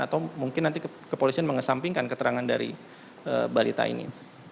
atau mungkin nanti kepolisian mengesampingkan keterangan dari balita ini